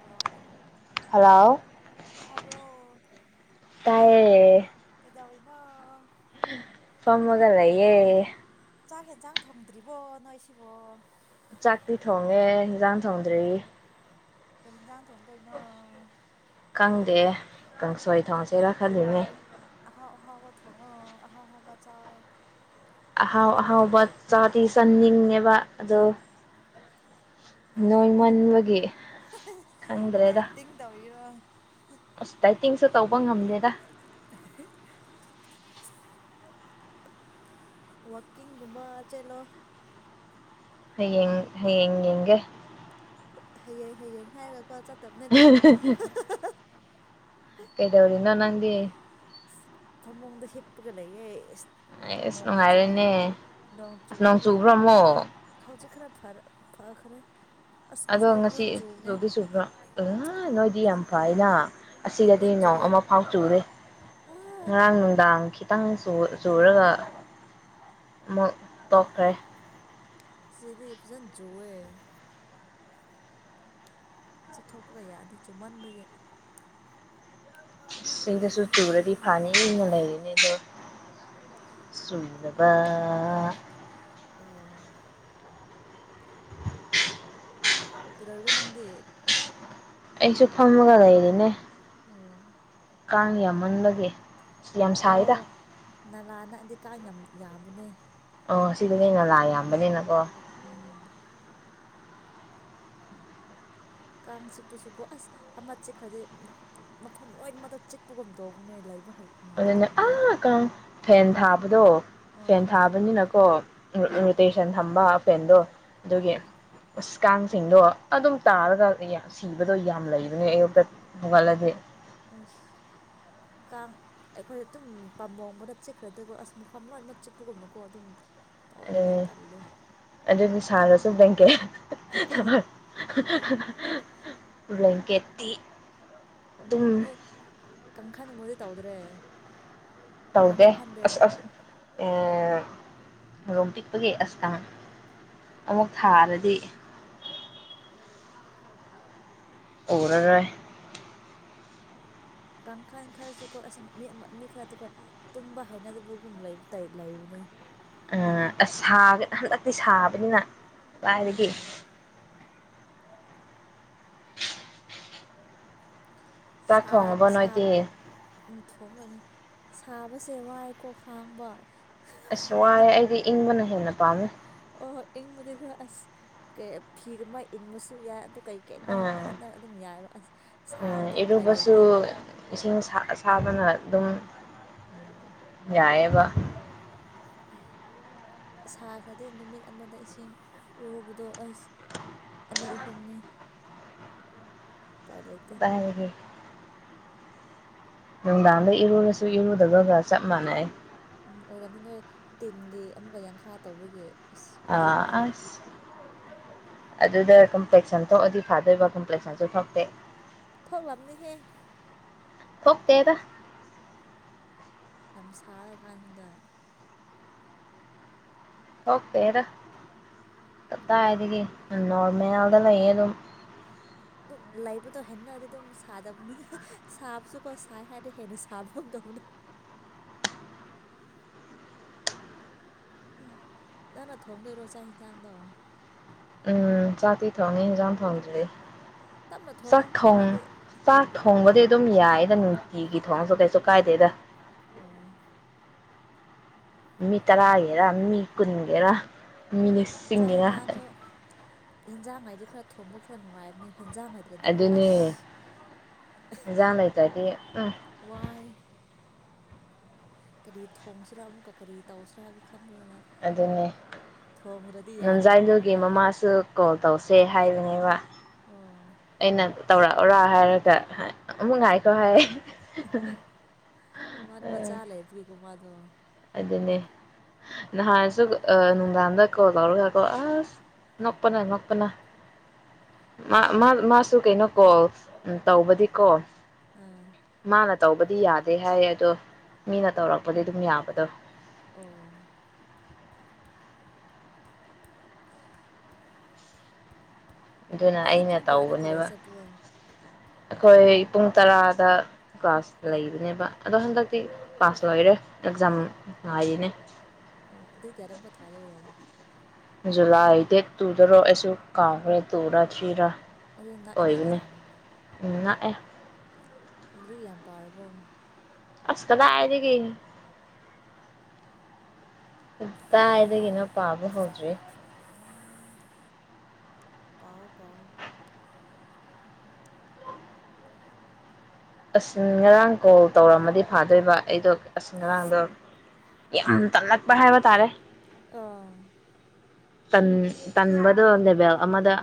Hello hello ꯇꯥꯕ꯭ꯔꯣ ꯇꯥꯏꯌꯦ꯫ ꯅꯣ꯫ ꯐꯝꯃꯒꯂꯩꯌꯦ꯫ ꯆꯥꯛ ꯍꯦꯟꯖꯥꯡ ꯊꯣꯡꯗ꯭ꯔꯤꯕꯣ ꯅꯣꯏꯁꯤꯕꯣ꯫ ꯆꯥꯛꯇꯤ ꯊꯣꯡꯉꯦ ꯍꯦꯟꯖꯥꯡ ꯊꯣꯡꯗꯔꯤ꯫ ꯀꯩ ꯑꯦꯟꯖꯥꯡ ꯊꯣꯡꯗꯣꯏꯅꯣ꯫ ꯈꯪꯗꯦ ꯀꯥꯡꯁꯣꯏ ꯊꯣꯡꯁꯤꯔ ꯈꯜꯂꯤꯅꯦ꯫ ꯑꯍꯥꯎ ꯑꯍꯥꯎꯕ ꯊꯣꯡꯉꯣ ꯑꯍꯥꯎ ꯑꯍꯥꯎꯕ ꯆꯥꯥꯔꯣ꯫ ꯑꯍꯥꯎ ꯑꯍꯥꯎꯕ ꯆꯥꯗꯤ ꯆꯥꯅꯤꯡꯉꯦꯕ ꯑꯗꯣ ꯅꯣꯏ ꯃꯟꯕꯒꯤ ꯗꯥꯏꯇꯤꯡ ꯇꯧꯔꯤꯔꯣ꯫ ꯑꯁ ꯗꯥꯏꯇꯤꯡꯁꯨ ꯇꯧꯕ ꯉꯝꯗꯦꯗ꯫ [unintelligible] ꯋꯥꯀꯤꯡꯒꯨꯝꯕ ꯆꯠꯂꯣ꯫ ꯍꯌꯦꯡ ꯍꯌꯦꯡ ꯌꯦꯡꯒꯦ꯫ ꯍꯌꯦꯡ ꯍꯌꯦꯡ ꯍꯥꯏꯔ ꯒ ꯆꯠꯇꯕꯅꯦ ꯑꯗꯨꯝꯕꯗꯣ ꯀꯩꯗꯧꯔꯤꯅꯣ ꯅꯪꯗꯤ꯫ ꯐꯃꯨꯡꯗ ꯍꯤꯞꯄꯒ ꯂꯩꯌꯦ꯫ ꯑꯥꯏꯁ ꯅꯣꯡ ꯆꯨ ꯅꯨꯡꯉꯥꯏꯔꯦꯅꯦ ꯅꯣꯡ ꯆꯨꯕꯔꯣ ꯑꯃꯨꯛ꯫ ꯐꯔꯞ ꯐꯈ꯭ꯔꯦ꯫ ꯑꯁ ꯑꯗꯣ ꯉꯁꯥꯏꯗꯤ ꯉꯁꯤ ꯐꯖꯅ ꯆꯨꯕꯅꯦ [unintelligible] ꯆꯨꯕꯔꯣ ꯅꯣꯏꯗꯤ ꯌꯥꯝ ꯐꯩꯅ꯫ ꯑꯁꯤꯗꯗꯤ ꯐꯖꯅ ꯅꯣꯡ ꯆꯨꯋꯦ ꯑꯃ ꯐꯥꯎ ꯆꯨꯗꯦ ꯑꯥ ꯉꯔꯥꯡ ꯅꯨꯡꯗꯥꯡ ꯈꯤ ꯈꯤꯇꯪ ꯆꯨ ꯆꯨꯔꯒ ꯑꯃꯨꯛ ꯇꯣꯛꯈ꯭ꯔꯦ꯫ ꯁꯤꯗꯗꯤ ꯐꯖꯅ ꯆꯨꯋꯦ꯫ ꯆꯠꯊꯣꯛꯄꯒ ꯌꯥꯗꯦ ꯆꯨꯃꯟꯕꯒꯤ꯫ ꯁꯤꯗꯁꯨ ꯆꯨꯔꯗꯤ ꯐꯅꯤꯅ ꯂꯩꯔꯤꯅꯤ ꯑꯗꯣ ꯆꯨꯗꯕ꯫ ꯑꯣ꯫ ꯀꯩꯗꯧꯔꯤꯒꯦ ꯅꯪꯗꯤ꯫ ꯑꯩꯖꯨ ꯐꯝꯃꯒ ꯂꯩꯔꯤꯅꯦ꯫ ꯑꯣ꯫ ꯀꯥꯡ ꯌꯥꯃꯟꯕꯒꯤ꯫ ꯑꯣ ꯅꯂꯥꯅꯗꯤ꯫ ꯀꯥꯡ ꯌꯥꯝ ꯌꯥꯝꯕꯅꯦ꯫ ꯑꯣ ꯁꯤꯗꯤꯅꯦꯅ ꯂꯥꯛ ꯌꯥꯝꯕꯅꯤꯅꯀꯣ ꯎꯝ ꯀꯥꯡ ꯆꯤꯛꯄꯁꯨ ꯀꯣ ꯑꯁ ꯑꯃ ꯆꯤꯛꯈ꯭ꯔꯗꯤꯦ ꯃꯐꯝ ꯂꯣꯏꯅꯃꯗ ꯆꯤꯛꯄꯒꯨꯝ ꯇꯧꯕꯅꯦ ꯂꯩꯕ ꯍꯩ ꯑꯗꯨꯅ ꯅꯨꯡꯉꯥꯏꯇꯕꯅꯦ ꯑꯥꯀ ꯐꯦꯟ ꯊꯥꯕꯗꯣ ꯐꯦꯟ ꯑꯥ ꯊꯥꯕꯅꯤꯅꯀꯣ ꯎꯝ ꯔꯣꯇꯦꯁꯟ ꯊꯝꯕ ꯄꯦꯟꯗꯣ ꯑꯗꯨꯒꯤ ꯑꯥ ꯀꯥꯡꯁꯤꯡꯗꯣ ꯑꯗꯨꯝ ꯇꯥꯔꯒ ꯁꯤꯕꯗꯣ ꯌꯥꯝ ꯂꯩꯕꯅꯦ ꯑꯌꯨꯛꯇ ꯍꯧꯣꯡꯒꯠꯂꯗꯤ ꯑꯁ ꯀꯥꯡ ꯑꯩꯈꯣꯏ ꯑꯗꯨꯝ ꯄꯥꯝꯕꯣꯕꯗ ꯆꯤꯛꯈ꯭ꯔꯗꯀꯣ ꯑꯁ ꯃꯐꯝ ꯂꯣꯏꯃꯛ ꯆꯤꯛꯄꯒꯨꯝꯅꯨꯀꯣ ꯑꯗꯨꯝ ꯎ ꯇꯧꯕꯅꯦ ꯇꯜꯂꯦ ꯑꯗꯨꯗꯤ ꯁꯥꯔꯁꯦ ꯗꯦꯡꯦ ꯊꯃ ꯕ꯭ꯂꯀꯦꯠ ꯠꯇꯤ ꯣꯏ ꯀꯪꯈꯥ ꯅ ꯃ ꯇꯧꯗ꯭ꯔꯦ ꯇꯧꯗꯦ ꯀꯥꯡꯈꯟ ꯈꯟꯗꯦ ꯑꯁ ꯑꯁ ꯔꯣꯝ ꯄꯤꯛꯄꯒꯤ ꯑꯁꯇꯪ ꯑꯃꯨꯛ ꯊꯥꯔꯗꯤ ꯑꯣꯔ ꯀꯥꯡꯈꯜ ꯈꯔꯁꯨꯀꯣ ꯑꯁ ꯃꯤ ꯈꯔꯗꯤꯀꯣ ꯇꯨꯝꯕ ꯍꯥꯏꯅꯗꯕꯒꯨꯝ ꯂꯩꯕꯅꯤ ꯑ ꯑꯁ ꯍꯟꯗꯛꯇꯤ ꯁꯥꯕꯅꯤꯅ ꯄꯒꯤꯦ ꯎꯝ ꯆꯥꯛ ꯁꯥ ꯊꯣꯡꯉꯕꯣ ꯅꯣꯏꯗꯤ ꯊꯣꯡꯄꯅ ꯁꯥꯕꯁꯦ ꯋꯥꯏꯀꯣ ꯈꯥꯡꯕ ꯑꯁ ꯋꯥꯏꯑꯦ ꯑꯩꯗꯤ ꯏꯪꯕꯅ ꯍꯦꯟꯅ ꯄꯥꯝꯃꯦ ꯑꯣ ꯍꯣꯏ ꯑꯩꯕꯗꯤ ꯈꯔ ꯑꯁ ꯀ ꯐꯤꯒ ꯑꯃ ꯏꯟꯕꯁꯨ ꯌꯥꯏ ꯀꯩ ꯀꯩꯅꯣ ꯑꯥ ꯍꯣꯠꯅꯔ ꯑꯗꯨꯝ ꯌꯥꯏꯑꯕ ꯑꯁ ꯑꯥ ꯁꯥꯕꯗꯤ ꯎꯄꯥꯏ ꯂꯩꯇꯦ ꯊꯥꯕꯅ ꯑꯗꯨꯝ ꯎꯝ ꯌꯥꯌꯦꯕ ꯁꯥꯈ꯭ꯔꯗꯤ ꯅꯨꯃꯤꯠ ꯑꯃꯗ ꯏꯁꯤꯡ ꯏꯔꯨꯕꯗꯣ ꯑꯩꯁ ꯑꯅꯤ ꯑꯍꯨꯝꯅꯤ ꯄꯥꯏ ꯂꯩꯇ ꯀꯗꯥꯏꯗꯒꯤ ꯅꯨꯡꯗꯥꯡꯗ ꯏꯔꯨꯔꯁꯨ ꯏꯔꯨꯗꯕꯒ ꯆꯞ ꯃꯥꯟꯅꯩ ꯎꯝ ꯑꯣꯏꯔꯝꯅꯤ ꯅꯣꯏ ꯇꯤꯟꯒꯤ ꯑꯃꯨꯛꯀ ꯌꯥꯡꯈꯥ ꯇꯧꯕꯒꯤ ꯑꯁ ꯑ ꯋꯥꯔꯝꯅꯤ ꯑꯁ ꯑꯗꯨꯗ ꯀꯝꯄ꯭ꯂꯦꯛꯁꯟ ꯊꯣꯛꯑꯗꯤ ꯐꯥꯗꯣꯏꯕ ꯀꯝꯄ꯭ꯂꯦꯛꯁꯟꯁꯨ ꯊꯣꯛꯇꯦ ꯊꯣꯛꯣꯛꯂꯝꯕꯅꯤꯍꯦ ꯍꯇꯦꯗ ꯌꯥꯝ ꯁꯥꯔꯀꯥꯟꯁꯤꯗ ꯄꯥꯛꯇꯦꯗꯥ ꯀꯗꯥꯏꯗꯒꯤ ꯅꯣꯔꯃꯦꯜꯗ ꯂꯩꯌꯦ ꯑꯗꯨꯝ ꯑꯗꯨꯝ ꯂꯩꯕꯗꯣ ꯍꯦꯟꯅꯗꯤ ꯑꯗꯨꯝ ꯁꯥꯗꯕꯅꯦ ꯁꯥꯕꯁꯨꯀꯣ ꯁꯥꯏ ꯍꯥꯏꯔꯗꯤ ꯍꯦꯟꯅ ꯁꯥꯕꯗꯧꯅ ꯇꯧꯕꯅꯦ ꯅꯪꯅ ꯊꯣꯡꯗꯣꯏꯔꯣ ꯆꯥꯛ ꯌꯦꯟꯁꯥꯡꯗꯣ ꯎꯝ ꯆꯥꯇꯤ ꯊꯣꯡꯅꯤ ꯏꯟꯖꯥꯝ ꯊꯣꯡꯗꯔ꯭ꯤ ꯇꯞꯅ ꯆꯥꯛ ꯊꯣꯡꯉꯣ ꯊꯣꯡ ꯅꯣꯏꯗꯤ ꯆꯥꯛ ꯊꯣꯡꯕꯗꯤ ꯑꯗꯨꯝ ꯌꯥꯏꯗ ꯅꯨꯡꯇꯤꯒꯤ ꯊꯣꯡꯉꯁꯨ ꯀꯩꯁꯨ ꯀꯥꯏꯗꯦꯗ ꯑ ꯃꯤ ꯇꯔꯥꯒꯤꯔ ꯃꯤ ꯀꯨꯟꯒꯤꯔ ꯃꯤ ꯂꯤꯁꯤꯡꯒꯤꯔ ꯏꯟꯖꯥꯡ ꯃꯥꯏꯗꯤ ꯈꯔ ꯊꯣꯡꯕ ꯈꯔ ꯅꯨꯡꯉꯥꯏꯕꯅꯦ ꯍꯦꯟꯖꯥꯡ ꯍꯥꯏꯗ꯭ꯔꯗꯤꯀꯣ ꯑꯗꯨꯅꯦ ꯑꯁ ꯑꯦꯟꯁꯥꯡ ꯂꯩꯇꯥꯔꯗꯤ ꯎꯝ ꯋꯥꯏ ꯀꯔꯤ ꯊꯣꯡꯁꯤꯔꯥ ꯑꯃꯨꯛꯀ ꯀꯔꯤ ꯇꯧꯁꯤꯔꯥ ꯍꯥꯏꯕ ꯈꯟ ꯑꯗꯨꯅꯦ ꯊꯣꯡꯗ꯭ꯔꯗꯤ ꯌꯥꯗꯕ ꯅꯝꯖꯥꯏꯗꯨꯒꯤ ꯑꯃꯨꯛꯀ ꯃꯃꯥꯁꯨ ꯀꯣꯜ ꯇꯧꯁꯦ ꯁꯦ ꯍꯥꯏꯕꯅꯦꯕ ꯑꯣ ꯑꯩꯅ ꯑꯗꯨ ꯇꯧꯔꯛꯎꯔꯥ ꯍꯥꯏꯔꯒ ꯑꯃꯨꯛ ꯉꯥꯢꯈꯣ ꯍꯥꯏꯔꯛꯏ ꯃꯥꯗꯤ ꯃꯆꯥ ꯂꯩꯕꯒꯤꯀꯣ ꯃꯥꯗꯤ ꯑꯗꯣ ꯑꯗꯨꯅꯦ ꯅꯍꯥꯟꯁꯨ ꯅꯨꯡꯗꯥꯡꯗ ꯀꯣꯜ ꯇꯧꯔꯒꯀꯣ ꯑꯁ ꯅꯣꯛꯄꯅ ꯅꯣꯛꯄꯅ ꯃꯥꯁꯨ ꯀꯩꯅꯣ ꯀꯣꯜ ꯇꯧꯕꯗꯤꯀꯣ ꯑꯥ ꯃꯥꯅ ꯇꯧꯕꯗꯤ ꯌꯥꯗꯦ ꯍꯥꯏꯌꯦ ꯑꯗꯣ ꯃꯤꯅ ꯇꯧꯔꯛꯄꯗꯤ ꯑꯗꯨꯝ ꯌꯥꯕ ꯕꯗꯣ ꯑꯣ ꯑꯗꯨꯅ ꯅꯣꯏꯗꯤ ꯑꯩꯅ ꯄꯨꯡ ꯀꯌꯥꯗ ꯀꯣꯂꯦꯖ ꯇꯧꯕꯅꯦꯕ ꯆꯠꯄ꯭ꯔꯣ ꯑꯩꯈꯣꯏ ꯄꯨꯡ ꯇꯔꯥꯗ ꯀ꯭ꯂꯥꯁ ꯂꯩꯕꯅꯦꯕ ꯑꯗꯣ ꯍꯟꯗꯛꯇꯤ ꯀ꯭ꯂꯥꯁ ꯂꯣꯏꯔꯦ ꯑꯦꯛꯖꯥꯝ ꯉꯥꯏꯔꯤꯅꯦ ꯑꯣ ꯗꯦꯠ ꯀꯌꯥꯗ ꯑꯃꯨꯛꯀꯥ ꯊꯥꯗꯣꯏꯔꯣ ꯖꯨꯂꯥꯏ ꯗꯦꯠ ꯇꯨꯗꯔꯣ ꯑꯩꯁꯨ ꯀꯥꯎꯈ꯭ꯔꯦ ꯇꯨꯔꯥ ꯊ꯭ꯔꯤꯔꯥ ꯑꯗꯨꯗꯤ ꯅꯛꯑꯦꯅꯦ ꯑꯦꯛꯖꯥꯝ ꯅꯛꯑꯦ ꯂꯩꯔꯤꯛ ꯌꯥꯝ ꯄꯥꯔꯕꯣ ꯑꯁ ꯀꯗꯥꯏꯗꯒꯤ ꯀꯥꯏꯗꯒꯤꯅꯣ ꯄꯥꯕ ꯍꯧꯗ꯭ꯔꯤ ꯄꯥꯎꯑꯣ ꯄꯥꯎꯑꯣ ꯑꯁ ꯉꯔꯥꯡ ꯀꯣꯜ ꯇꯧꯔꯝꯃꯗꯤ ꯐꯥꯗꯣꯏꯕ ꯑꯩꯗꯣ ꯑꯁ ꯉꯔꯥꯡꯗꯣ ꯌꯥꯝ ꯇꯝꯂꯛꯄ ꯍꯥꯏꯕ ꯇꯥꯔꯦ ꯑꯥ ꯇꯟꯕꯗꯣ ꯂꯦꯕꯦꯜ ꯑꯃꯗ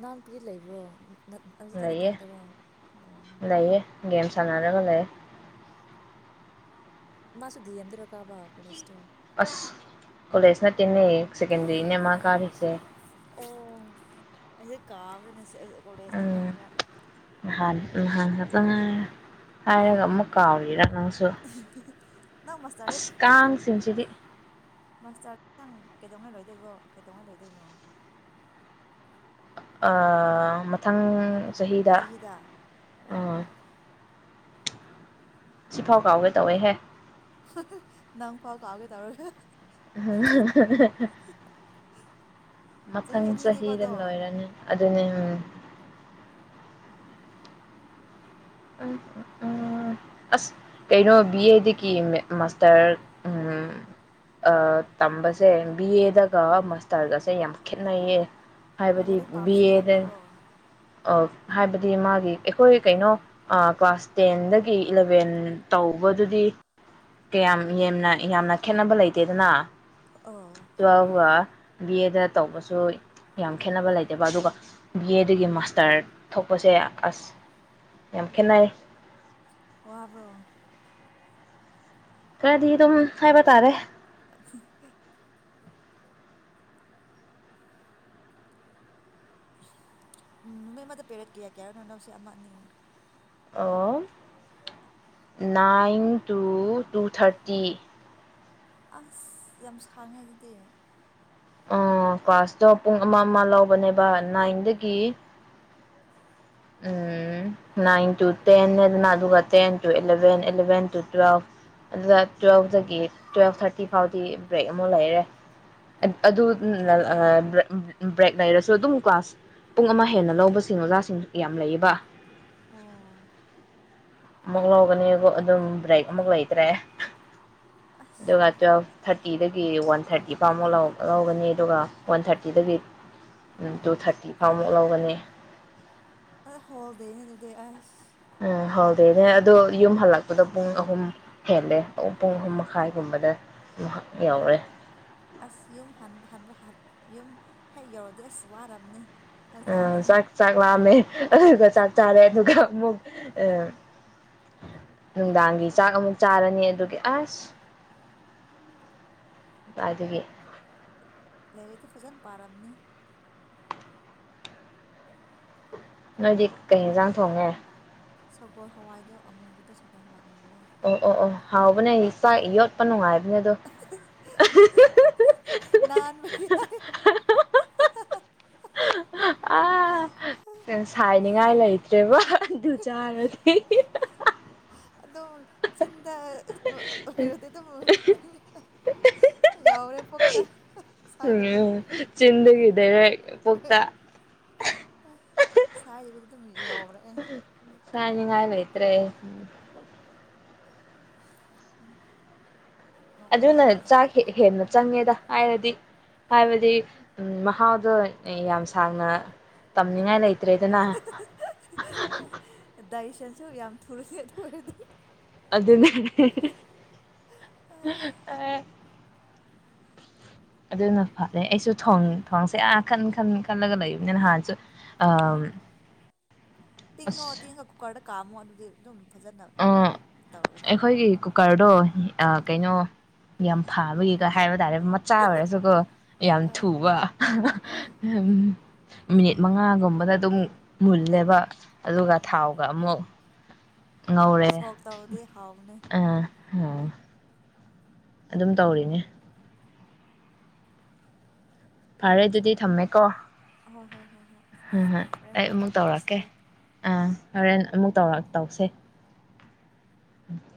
ꯅꯅꯥꯎ ꯅꯨꯨꯄꯤ ꯂꯩꯕ꯭ꯔꯣ ꯍꯧꯖꯤꯛꯇꯤ ꯂꯩꯌꯦ ꯅꯊꯥꯟꯗꯔꯣ ꯑꯣ ꯂꯩꯌꯦ ꯒꯦꯝ ꯆꯅꯔꯒ ꯂꯩꯦ ꯃꯥꯁꯨꯗꯤ ꯑꯗꯣ ꯀꯥꯕꯥ ꯀꯁꯇꯣ ꯀꯂꯦꯖꯅ ꯇꯅꯦ ꯁꯦꯀꯦꯟ ꯏꯅꯃ ꯀꯥꯔꯁꯦ ꯀꯕꯅ ꯁ ꯒꯣꯜꯗꯦꯖꯅ ꯈꯟꯕ ꯍꯥꯛ ꯆꯉꯥ ꯍꯥꯏꯔꯒ ꯑꯃꯨꯛ ꯀꯥꯎꯔꯤꯔ ꯅꯪꯁꯨ ꯅꯪ ꯑꯁ ꯃꯥꯁꯇꯔꯗꯤ ꯎꯝ ꯀꯥꯡꯁꯤꯡꯁꯤꯗꯤ ꯃꯥꯁꯇꯔ ꯅꯪ ꯀꯩꯗꯧꯅ ꯂꯣꯏꯗꯣꯏꯕꯣ ꯀꯩꯗꯧꯅꯩ ꯂꯣꯏꯗꯣꯏꯅꯣ ꯑ ꯃ ꯃꯊꯪ ꯆꯍꯤꯗ ꯑꯣ ꯑꯥ ꯁꯤꯐꯥꯎ ꯀꯥꯎꯋꯦ ꯇꯧꯋꯦꯍꯦ ꯅꯪ ꯐꯥꯎ ꯀꯥꯎꯒꯦ ꯇꯧꯔꯣꯒ ꯆꯍꯤ ꯃꯊꯪ ꯑꯅꯤꯅꯤꯀꯣ ꯆꯍꯤꯗ ꯑꯗꯣ ꯂꯣꯏꯔꯅꯤ ꯑꯗꯨꯅꯤ ꯎꯝ ꯎꯝ ꯎꯝ ꯑꯁ ꯀꯩꯅꯣ ꯕꯤ ꯑꯦꯗꯒꯤ ꯃꯥꯁꯇꯔ ꯇꯝꯕꯁꯦ ꯕꯤ ꯑꯦꯗꯒ ꯃꯥꯁꯇꯔꯒꯁꯦ ꯌꯥꯝ ꯈꯦꯅꯩꯌꯦ ꯑꯣ ꯍꯥꯏꯕꯗꯤ ꯂꯥꯏꯔꯤꯛ ꯕꯤ ꯄꯥꯕꯁꯨ ꯑꯦꯗ ꯍꯦꯜꯂꯝꯅꯤꯀꯣ ꯍꯥꯏꯕꯗꯤ ꯃꯥꯒꯤ ꯑꯩꯈꯣꯏ ꯀꯩꯅꯣ ꯀ꯭ꯂꯥꯁ ꯇꯦꯟꯗꯒꯤ ꯏꯂꯚꯦꯟ ꯇꯧꯕꯗꯨꯗꯤ ꯀꯌꯥꯝ ꯌꯥꯝꯅ ꯌꯥꯝꯅ ꯈꯦꯠꯅꯕ ꯂꯩꯇꯦꯗꯅ ꯑꯣ ꯌꯥꯎ ꯋꯥ ꯕꯤ ꯑꯦꯗ ꯇꯧꯕꯁꯨ ꯌꯥꯝ ꯈꯦꯠꯅꯕ ꯂꯩꯇꯕ ꯑꯗꯨꯒ ꯕꯤ ꯑꯦꯗꯒꯤ ꯃꯥꯁꯇꯔ ꯊꯣꯛꯄꯁꯦ ꯑꯁ ꯌꯥꯝ ꯈꯦꯠꯅꯩ ꯋꯥꯕ꯭ꯔꯣ ꯈꯔꯗꯤ ꯑꯗꯨꯝ ꯍꯥꯏꯕ ꯇꯥꯔꯦ [inaudible] ꯎꯝ ꯅꯨꯃꯤꯠ ꯑꯃꯗ ꯄꯦꯔꯦꯠ ꯀꯌꯥ ꯀꯌꯥꯔꯣꯅꯣ ꯑꯅꯧꯁꯦ ꯑꯃ ꯑꯅꯤ ꯑꯣ ꯅꯥꯏꯟ ꯇꯨ ꯇꯨ ꯊꯥꯔꯇꯤ ꯑꯁ ꯌꯥꯝ ꯈꯥꯡꯉꯦ ꯑꯗꯨꯗꯤ ꯑ ꯀ꯭ꯂꯥꯁꯇꯣ ꯄꯨꯡ ꯑꯃ ꯑꯃ ꯂꯧꯕꯅꯦꯕ ꯅꯥꯏꯟꯗꯒꯤ ꯅꯥꯏꯟ ꯇꯨ ꯇꯦꯟ ꯍꯥꯏꯗꯅ ꯑꯗꯨꯒ ten two eleven eleven two twelve ꯑꯗꯨꯗ ꯇꯨꯋꯦꯜꯐꯇꯒꯤ ꯇꯨꯋꯦꯜꯐ ꯊꯥꯔꯇꯤ ꯐꯥꯎꯗꯤ ꯕ꯭ꯔꯦꯛ ꯑꯃ ꯂꯩꯔꯦ ꯑꯗꯨ ꯕ꯭ꯔꯦꯛ ꯂꯩꯔꯁꯨ ꯑꯗꯨꯝ ꯀ꯭ꯂꯥꯁ ꯄꯨꯡ ꯑꯃ ꯍꯦꯟꯅ ꯂꯧꯕꯁꯤꯡ ꯑꯣꯖꯥꯁꯤꯡ ꯌꯥꯝ ꯂꯩꯌꯦꯕ ꯑꯣ ꯑꯃꯨꯛ ꯂꯧꯒꯅꯤ ꯑꯗꯨꯝ ꯕ꯭ꯔꯦꯛ ꯑꯃꯨꯛ ꯂꯩꯇ꯭ꯔꯦ ꯑꯁ ꯑꯗꯨꯒ ꯇ꯭ꯋꯦꯜꯐ ꯊꯥꯔꯇꯤꯗꯒꯤ ꯋꯥꯟ ꯊꯥꯔꯇꯤ ꯐꯥꯎꯃꯨꯛ ꯂꯧꯒꯅꯤ ꯑꯗꯨꯒ ꯋꯥꯟ ꯊꯥꯔꯇꯤꯗꯒꯤ ꯇꯨ ꯊꯥꯔꯇꯤ ꯐꯥꯎꯃꯨꯛ ꯂꯧꯒꯅꯤ ꯑ ꯍꯣꯜꯗꯅꯦ ꯑꯗꯨꯗꯤ ꯑ ꯎ ꯍꯔꯦꯅꯦ ꯑꯗꯣ ꯌꯨꯝ ꯍꯜꯂꯛꯄꯗ ꯄꯨꯡ ꯑꯍꯨꯝ ꯍꯦꯜꯂꯦ ꯄꯨꯡ ꯑꯍꯨꯝ ꯃꯈꯥꯏꯒꯨꯝꯕꯗ ꯌꯧꯔꯦ ꯑꯁ ꯌꯨꯝ ꯍꯟꯕ ꯌꯨꯝ ꯍꯦꯛ ꯌꯧꯔꯗꯤ ꯑꯁ ꯋꯥꯔꯕꯅꯤ ꯑ ꯆꯥꯛ ꯆꯥꯛ ꯋꯥꯝꯃꯦ ꯑꯗꯨꯒ ꯆꯥꯛ ꯆꯥꯔꯦ ꯑꯗꯨꯒꯨꯛ ꯅꯨꯡꯗꯥꯡꯒꯤ ꯆꯥꯛ ꯑꯃꯨꯛ ꯆꯥꯔꯅꯤ ꯑꯗꯨꯒꯤ ꯑꯁ ꯑꯗꯨꯒꯤ ꯂꯥꯏꯔꯤꯛꯇꯤ ꯐꯖꯅ ꯄꯥꯔꯝꯅꯤ ꯅꯣꯏꯗꯤ ꯀꯩ ꯌꯦꯟꯁꯥꯡ ꯊꯣꯡꯉꯦ ꯁꯒꯣꯜ ꯍꯋꯥꯏꯗꯣ ꯑꯃꯨꯕꯗꯣ ꯁꯒꯣꯜ ꯍꯋꯥꯏ ꯑꯃꯨꯕ ꯑꯣ ꯑꯣ ꯑꯣ ꯍꯥꯎꯕꯅꯦ ꯆꯥꯛ ꯌꯣꯠꯄ ꯅꯨꯡꯉꯥꯏꯕꯅꯦ ꯑꯗꯣ ꯅꯥꯟꯕꯒꯤ ꯑ ꯁꯥꯏꯅꯤꯡꯉꯥꯏ ꯂꯩꯇ꯭ꯔꯦꯕ ꯑꯗꯨ ꯆꯥꯔꯗꯤ ꯑꯗꯣ ꯆꯤꯟ ꯎꯔꯣꯗꯤ ꯑꯗꯨꯝ ꯌꯥꯎꯔꯦ ꯄꯣꯛꯇ ꯁꯥꯏꯗꯕꯤ ꯎꯝ ꯆꯤꯟꯗꯒꯤ ꯗꯥꯏꯔꯦꯛ ꯄꯨꯛꯇ ꯁꯥꯏꯗꯕꯤꯗ ꯑꯗꯨꯝ ꯌꯥꯎꯔꯛꯑꯦ ꯆꯥꯏꯅꯤ ꯉꯥꯏ ꯂꯩꯦ ꯠꯇ꯭ꯔꯦ ꯎꯝ ꯑ ꯑꯗꯨꯅ ꯆꯥꯛ ꯍꯦ ꯆꯪꯉꯦꯗ ꯍꯥꯏꯔꯗꯤ ꯍꯥꯏꯕꯗꯤ ꯃꯍꯥꯎꯗꯣ ꯌꯥꯝ ꯁꯥꯡꯅ ꯇꯝꯅꯤꯡꯉꯥꯏ ꯂꯩꯇꯦ ꯏꯠꯇꯦꯗꯅ ꯁ ꯌꯥꯝ ꯊꯨꯔꯂ ꯑꯗꯨ ꯑꯣꯏꯔꯗꯤ ꯑꯗꯨ ꯑꯗꯨꯅꯦ ꯑ ꯑꯗꯨꯅ ꯐꯔꯦ ꯑꯩꯁꯨ ꯊꯣꯡꯁꯦ ꯑ ꯈꯟ ꯈꯟ ꯈꯜꯂꯒ ꯂꯩꯕꯅꯤꯅ ꯅꯍꯥꯟꯁꯨ ꯑ ꯇꯤꯉꯣ ꯇꯤꯉ ꯀꯠ ꯀꯥꯃꯣ ꯑꯗꯨꯗꯤ ꯑꯗꯨꯝ ꯐꯖꯅ ꯑꯣ ꯇꯧꯔꯅꯤ ꯑꯩꯈꯣꯏꯒꯤ ꯀꯨꯀꯔꯗꯣ ꯎꯝ ꯀꯩꯅꯣ ꯌꯥꯝ ꯐꯥꯕꯒꯤꯒ ꯍꯥꯏꯕ ꯍꯥꯏꯇꯥꯔꯦ ꯃꯆꯥ ꯑꯣꯏꯔꯁꯨꯀꯣ ꯌꯥꯝ ꯑꯥ ꯊꯨꯕ ꯑꯥ ꯎ ꯃꯤꯅꯤꯠ ꯃꯉꯥꯒꯨꯝꯕꯗ ꯑꯗꯨꯝ ꯃꯨꯜꯂꯦꯕ ꯑꯗꯨꯒ ꯑꯣ ꯊꯥꯎꯒ ꯑꯃꯨꯛ ꯉꯧꯔꯦ ꯁꯣꯛ ꯇꯧꯕꯗꯤ ꯍꯥꯎꯕꯅꯦ ꯑꯝ ꯑꯥ ꯑꯗꯨꯝ ꯇꯧꯔꯤꯅꯦ ꯐꯔꯦ ꯑꯗꯨꯗꯤ ꯊꯝꯃꯦꯀꯣ ꯍꯣꯏ ꯍꯣꯏ ꯍꯣꯏ ꯍꯣꯏ ꯎꯝ ꯍꯝ ꯍꯣꯔꯦꯟ ꯑꯩ ꯑꯃꯨꯛꯀ ꯑꯃꯨꯛ ꯇꯧꯔꯛꯀꯦ ꯇꯧꯅꯔꯁꯦ ꯑꯥ ꯍꯣꯔꯦꯟ ꯑꯃꯨꯛ ꯇꯧꯔ ꯇꯧꯁꯦ ꯎꯝ